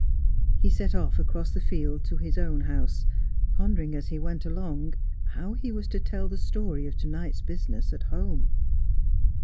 He set off across the field to his own house, pondering as he went along how he was to tell the story of to night's business at home.